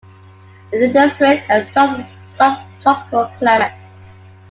The district has subtropical climate.